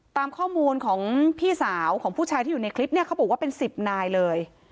ตามข้อมูลของพี่สาวของผู้ชายที่อยู่ในคลิปเนี่ยเขาบอกว่าเป็น๑๐นายเลย